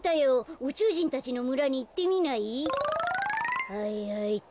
はいはいっと。